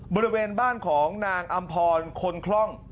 บริเวณบ้านของนางอำพรคนคล่อง